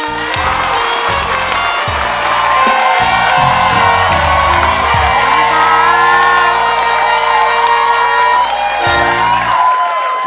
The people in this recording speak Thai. ขอบคุณค่ะ